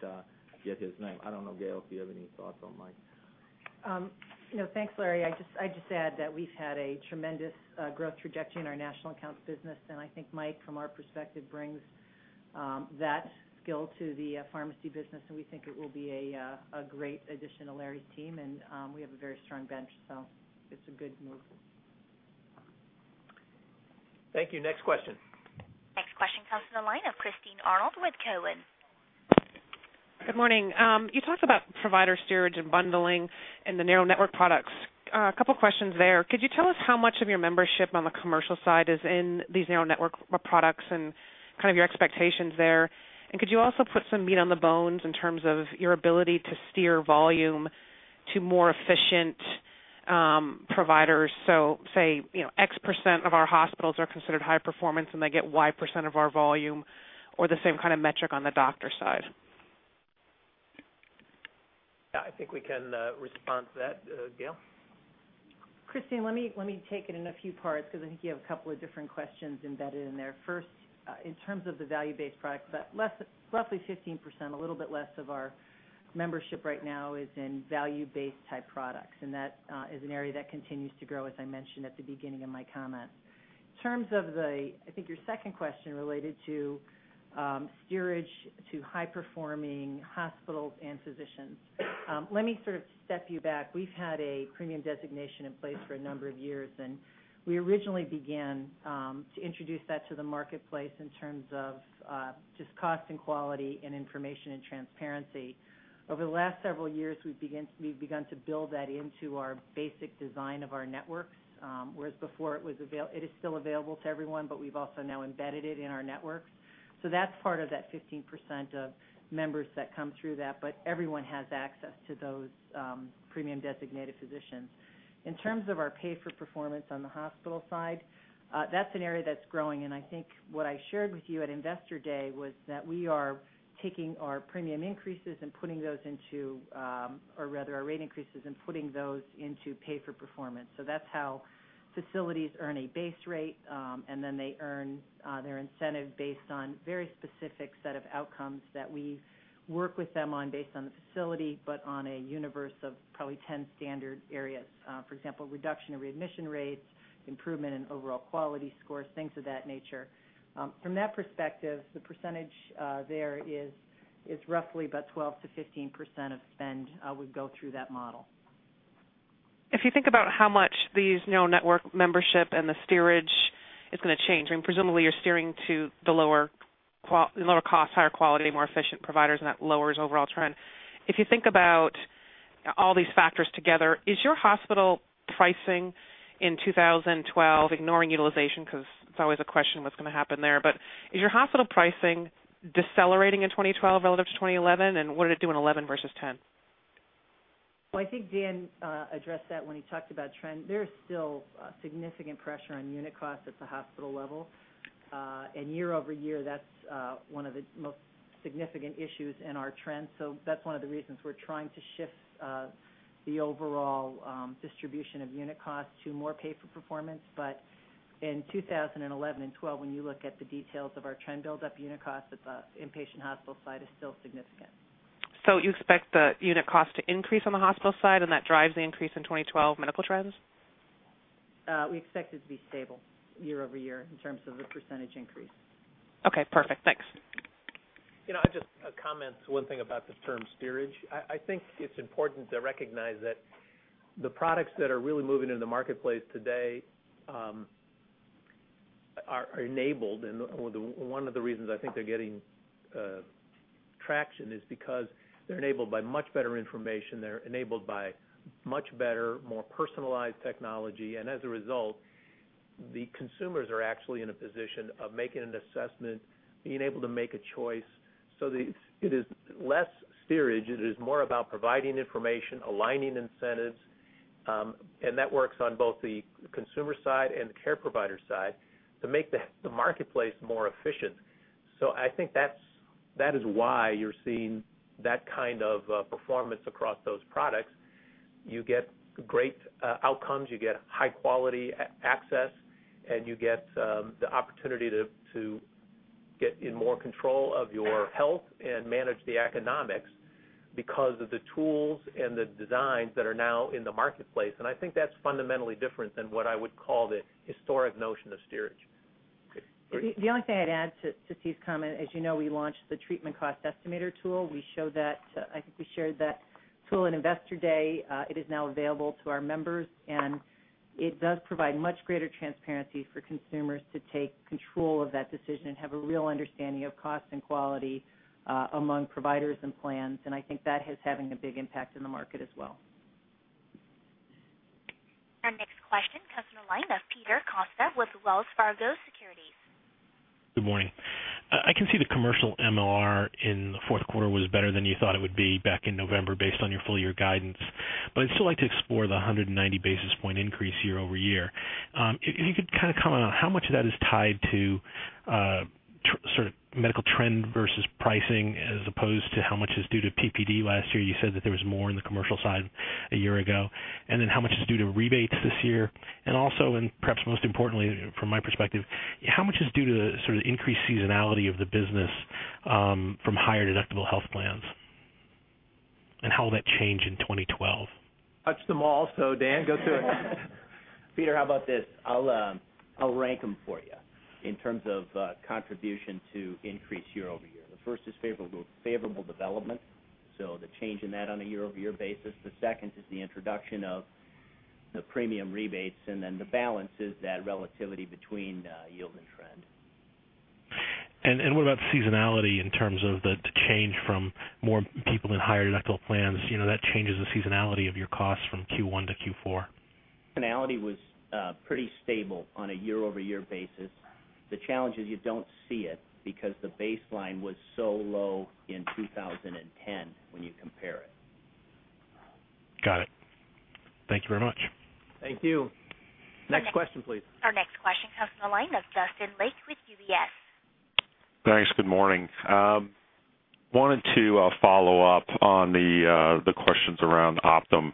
get his name. I don't know, Gail, if you have any thoughts on Mike. Thanks, Larry. I just add that we've had a tremendous growth trajectory in our national accounts business, and I think Mike, from our perspective, brings that skill to the pharmacy business. We think it will be a great addition to Larry's team, and we have a very strong bench, so it's a good move. Thank you. Next question. Next question comes from the line of Christine Arnold with Cowen. Good morning. You talked about provider steerage and bundling in the narrow network products. A couple of questions there. Could you tell us how much of your membership on the commercial side is in these narrow network products and your expectations there? Could you also put some meat on the bones in terms of your ability to steer volume to more efficient providers? For example, X% of our hospitals are considered high performance and they get Y% of our volume or the same kind of metric on the doctor side. Yeah, I think we can respond to that, Gail. Christine, let me take it in a few parts because I think you have a couple of different questions embedded in there. First, in terms of the value-based product, roughly 15%, a little bit less of our membership right now is in value-based type products, and that is an area that continues to grow, as I mentioned at the beginning of my comment. In terms of the, I think, your second question related to steerage to high-performing hospitals and physicians, let me sort of step you back. We've had a premium designation in place for a number of years, and we originally began to introduce that to the marketplace in terms of just cost and quality and information and transparency. Over the last several years, we've begun to build that into our basic design of our networks, whereas before it was available, it is still available to everyone, but we've also now embedded it in our networks. That's part of that 15% of members that come through that, but everyone has access to those premium designated physicians. In terms of our pay for performance on the hospital side, that's an area that's growing. What I shared with you at Investor Day was that we are taking our premium increases and putting those into, or rather, our rate increases and putting those into pay for performance. That's how facilities earn a base rate, and then they earn their incentive based on a very specific set of outcomes that we work with them on based on the facility, but on a universe of probably 10 standard areas. For example, reduction in readmission rates, improvement in overall quality scores, things of that nature. From that perspective, the percentage there is roughly about 12%-15% of spend would go through that model. If you think about how much these narrow network membership and the steerage is going to change, I mean, presumably you're steering to the lower cost, higher quality, more efficient providers, and that lowers overall trend. If you think about all these factors together, is your hospital pricing in 2012, ignoring utilization because it's always a question what's going to happen there, but is your hospital pricing decelerating in 2012 relative to 2011, and what did it do in 2011 versus 2010? I think Dan addressed that when he talked about trend. There is still significant pressure on unit cost at the hospital level, and year-over-year, that's one of the most significant issues in our trend. That is one of the reasons we're trying to shift the overall distribution of unit costs to more pay for performance. In 2011 and 2012, when you look at the details of our trend buildup, unit costs at the inpatient hospital side are still significant. You expect the unit cost to increase on the hospital side, and that drives the increase in 2012 medical trends? We expect it to be stable year-over-year in terms of the percentage increase. Okay, perfect. Thanks. I just comment one thing about the term steerage. I think it's important to recognize that the products that are really moving into the marketplace today are enabled, and one of the reasons I think they're getting traction is because they're enabled by much better information. They're enabled by much better, more personalized technology. As a result, the consumers are actually in a position of making an assessment, being able to make a choice. It is less steerage. It is more about providing information, aligning incentives, and that works on both the consumer side and the care provider side to make the marketplace more efficient. I think that is why you're seeing that kind of performance across those products. You get great outcomes, you get high-quality access, and you get the opportunity to get in more control of your health and manage the economics because of the tools and the designs that are now in the marketplace. I think that's fundamentally different than what I would call the historic notion of steerage. The only thing I'd add to Steve's comment, as you know, we launched the treatment cost estimator tool. We showed that, I think we shared that tool on Investor Day. It is now available to our members, and it does provide much greater transparency for consumers to take control of that decision and have a real understanding of cost and quality among providers and plans. I think that is having a big impact in the market as well. Our next question comes from the line of Peter Costa with Wells Fargo Securities. Good morning. I can see the commercial MLR in the fourth quarter was better than you thought it would be back in November based on your full-year guidance, but I'd still like to explore the 190 basis point increase year-over-year. If you could kind of comment on how much of that is tied to sort of medical trend versus pricing as opposed to how much is due to PPD last year. You said that there was more in the commercial side a year ago, how much is due to rebates this year? Also, and perhaps most importantly from my perspective, how much is due to the sort of increased seasonality of the business from higher deductible health plans, and how will that change in 2012? Touch them all. Dan, go through it. Peter, how about this? I'll rank them for you in terms of contribution to increase year-over-year. The first is favorable development, so the change in that on a year-over-year basis. The second is the introduction of the premium rebates, and then the balance is that relativity between yield and trend. What about seasonality in terms of the change from more people in higher deductible plans? You know that changes the seasonality of your costs from Q1 to Q4? The seasonality was pretty stable on a year-over-year basis. The challenge is you don't see it because the baseline was so low in 2010 when you compare it. Got it. Thank you very much. Thank you. Next question, please. Our next question comes from the line of Justin Lake with UBS. Thanks. Good morning. I wanted to follow up on the questions around Optum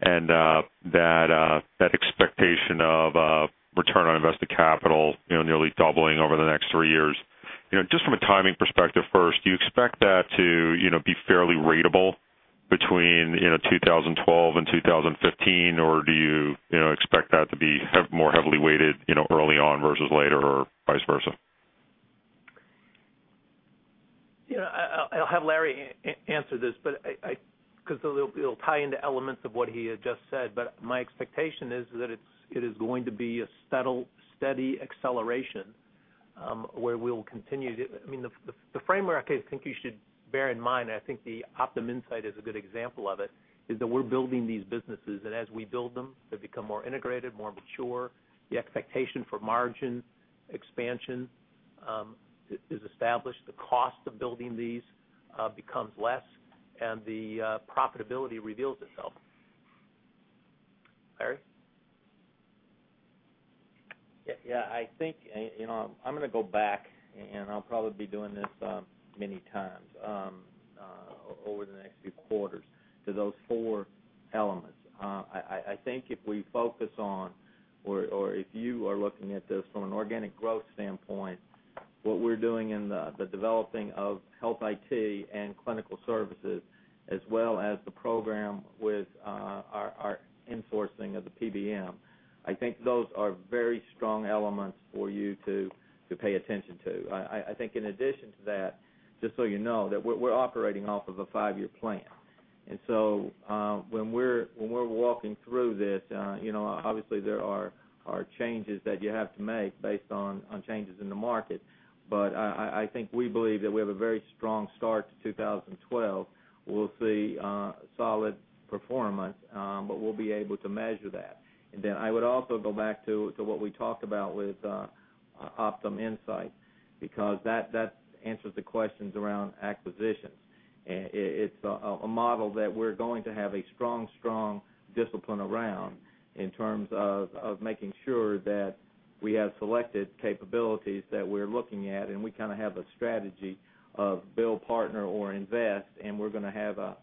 and that expectation of return on invested capital, you know, nearly doubling over the next three years. Just from a timing perspective first, do you expect that to, you know, be fairly ratable between 2012 and 2015, or do you expect that to be more heavily weighted early on versus later or vice versa? I'll have Larry answer this because it'll tie into elements of what he had just said. My expectation is that it is going to be a steady acceleration where we'll continue to, I mean, the framework I think you should bear in mind, and I think Optum Insight is a good example of it, is that we're building these businesses, and as we build them, they become more integrated, more mature. The expectation for margin expansion is established. The cost of building these becomes less, and the profitability reveals itself. Larry? Yeah. I think, you know, I'm going to go back, and I'll probably be doing this many times over the next few quarters to those four elements. I think if we focus on, or if you are looking at this from an organic growth standpoint, what we're doing in the developing of health IT and clinical services, as well as the program with our insourcing of the PBM, I think those are very strong elements for you to pay attention to. I think in addition to that, just so you know, that we're operating off of a five-year plan. When we're walking through this, you know, obviously there are changes that you have to make based on changes in the market, but I think we believe that we have a very strong start to 2012. We'll see solid performance, but we'll be able to measure that. I would also go back to what we talked about with Optum Insight because that answers the questions around acquisitions. It's a model that we're going to have a strong, strong discipline around in terms of making sure that we have selected capabilities that we're looking at, and we kind of have a strategy of build, partner, or invest, and we're going to have a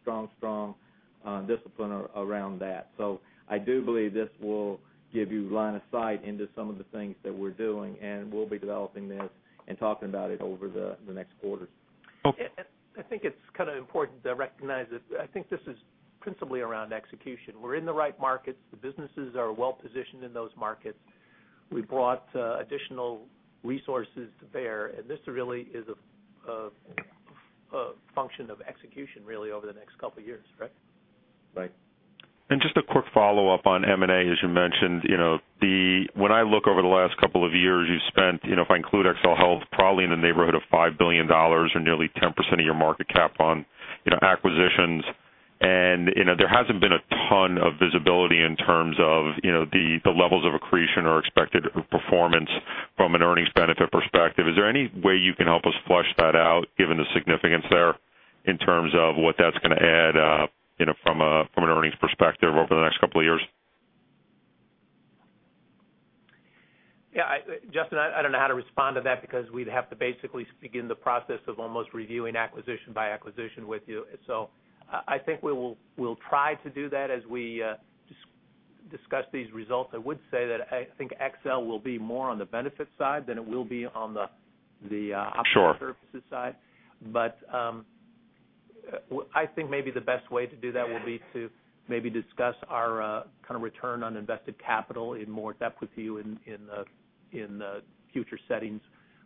strong, strong discipline around that. I do believe this will give you line of sight into some of the things that we're doing, and we'll be developing this and talking about it over the next quarters. Okay. I think it's kind of important to recognize that I think this is principally around execution. We're in the right markets. The businesses are well positioned in those markets. We brought additional resources to bear, and this really is a function of execution over the next couple of years, right? Right. Just a quick follow-up on M&A, as you mentioned. When I look over the last couple of years, you've spent, if I include Excel Health, probably in the neighborhood of $5 billion or nearly 10% of your market cap on acquisitions, and there hasn't been a ton of visibility in terms of the levels of accretion or expected performance from an earnings benefit perspective. Is there any way you can help us flush that out given the significance there in terms of what that's going to add from an earnings perspective over the next couple of years? Yeah. Justin, I don't know how to respond to that because we'd have to basically begin the process of almost reviewing acquisition by acquisition with you. I think we'll try to do that as we discuss these results. I would say that I think Excel Health will be more on the benefit side than it will be on the services side. I think maybe the best way to do that will be to maybe discuss our kind of return on invested capital in more depth with you in future settings,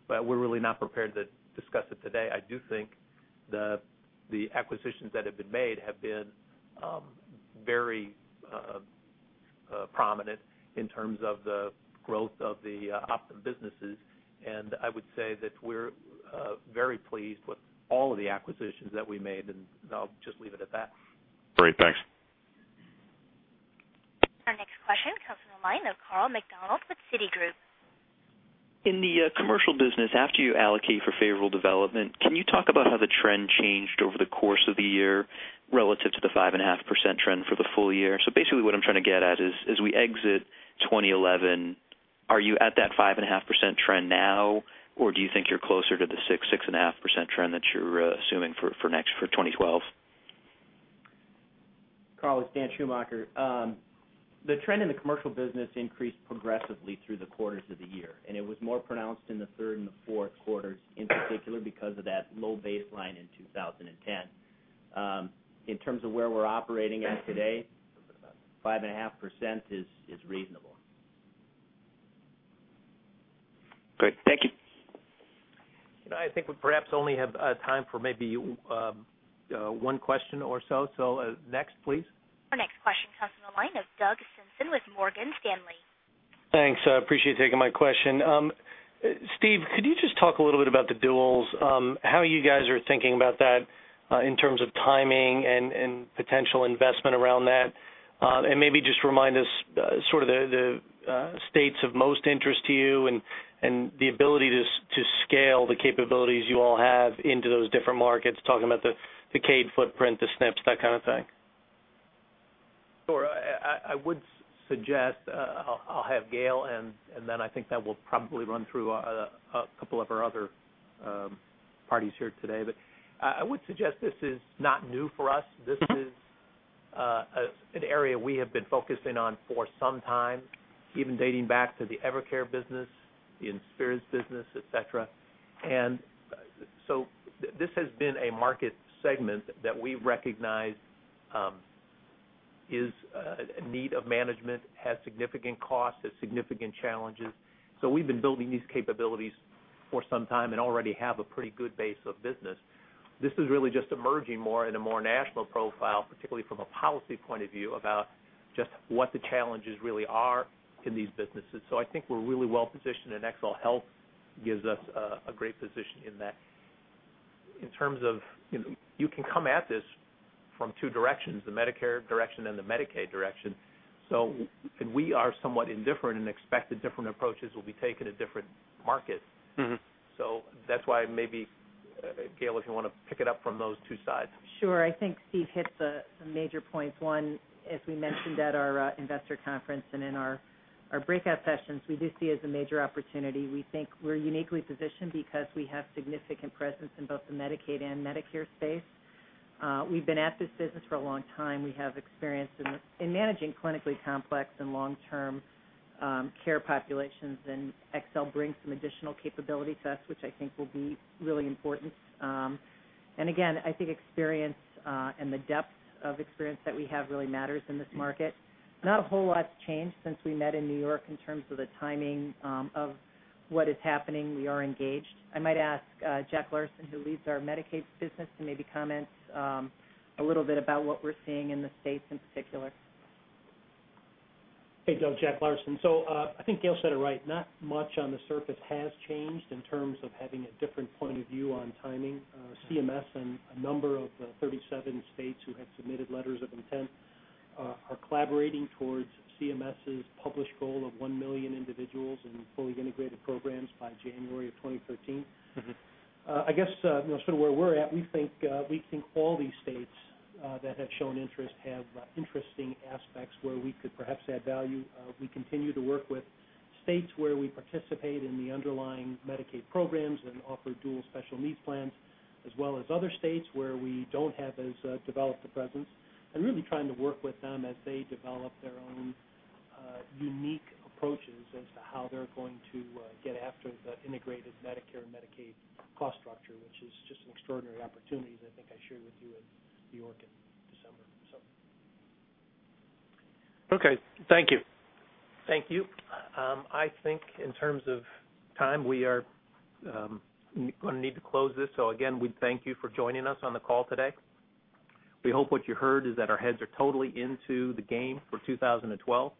but we're really not prepared to discuss it today. I do think the acquisitions that have been made have been very prominent in terms of the growth of the Optum businesses, and I would say that we're very pleased with all of the acquisitions that we made, and I'll just leave it at that. Great. Thanks. Our next question comes from the line of Carl McDonald with Citigroup. In the commercial business, after you allocate for favorable development, can you talk about how the trend changed over the course of the year relative to the 5.5% trend for the full year? Basically, what I'm trying to get at is as we exit 2011, are you at that 5.5% trend now, or do you think you're closer to the 6%-6.5% trend that you're assuming for 2012? Carl, it's Dan Schumacher. The trend in the commercial business increased progressively through the quarters of the year, and it was more pronounced in the third and the fourth quarters, in particular because of that low baseline in 2010. In terms of where we're operating at today, 5.5% is reasonable. Great, thank you. I think we perhaps only have time for maybe one question or so. Next, please. Our next question comes from the line of Doug Simpson with Morgan Stanley. Thanks. I appreciate you taking my question. Steve, could you just talk a little bit about the duals, how you guys are thinking about that in terms of timing and potential investment around that, and maybe just remind us sort of the states of most interest to you and the ability to scale the capabilities you all have into those different markets, talking about the CADE footprint, the SNPs, that kind of thing? Sure. I would suggest I'll have Gail, and then I think that will probably run through a couple of our other parties here today. I would suggest this is not new for us. This is an area we have been focusing on for some time, even dating back to the Evercare business, the Inspiris business, etc. This has been a market segment that we've recognized is a need of management, has significant cost, has significant challenges. We've been building these capabilities for some time and already have a pretty good base of business. This is really just emerging more in a more national profile, particularly from a policy point of view about just what the challenges really are in these businesses. I think we're really well positioned, and Excel Health gives us a great position in that. In terms of you can come at this from two directions, the Medicare direction and the Medicaid direction. We are somewhat indifferent and expect that different approaches will be taken at different markets. That's why maybe, Gail, if you want to pick it up from those two sides. Sure. I think Steve hit the major points. One, as we mentioned at our Investor Conference and in our breakout sessions, we do see it as a major opportunity. We think we're uniquely positioned because we have significant presence in both the Medicaid and Medicare space. We've been at this business for a long time. We have experience in managing clinically complex and long-term care populations, and Excel brings some additional capability to us, which I think will be really important. I think experience and the depth of experience that we have really matters in this market. Not a whole lot's changed since we met in New York in terms of the timing of what is happening. We are engaged. I might ask Jack Larsen, who leads our Medicaid business, to maybe comment a little bit about what we're seeing in the states in particular. Hey, Doug. Jack Larsen. I think Gail said it right. Not much on the surface has changed in terms of having a different point of view on timing. CMS and a number of the 37 states who had submitted letters of intent are collaborating towards CMS's published goal of 1 million individuals in fully integrated programs by January of 2013. I guess where we're at, we think all these states that have shown interest have interesting aspects where we could perhaps add value. We continue to work with states where we participate in the underlying Medicaid programs and offer dual special needs plans, as well as other states where we don't have as developed a presence, and really trying to work with them as they develop their own unique approaches as to how they're going to get after the integrated Medicare and Medicaid cost structure, which is just an extraordinary opportunity that I think I shared with you in New York in December. Thank you. I think in terms of time, we are going to need to close this. Again, we thank you for joining us on the call today. We hope what you heard is that our heads are totally into the game for 2012.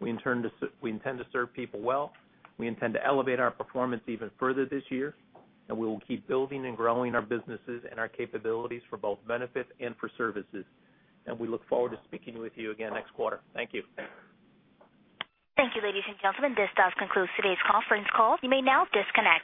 We intend to serve people well. We intend to elevate our performance even further this year, and we will keep building and growing our businesses and our capabilities for both benefits and for services. We look forward to speaking with you again next quarter. Thank you. Thank you, ladies and gentlemen. This does conclude today's conference call. You may now disconnect.